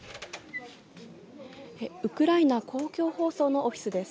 ウクライナ公共放送のオフィスです。